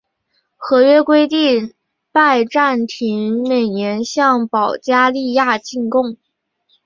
合约规定拜占庭每年向保加利亚进贡。